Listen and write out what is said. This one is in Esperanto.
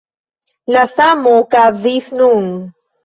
La samo okazis nun.